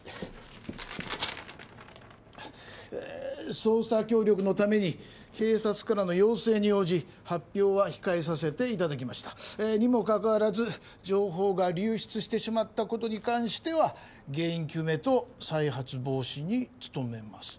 「捜査協力のために警察からの要請に応じ発表は控えさせていただきましたにも関わらず情報が流出してしまったことに関しては原因究明と再発防止に努めます」。